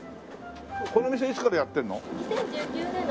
この店いつからやってるの？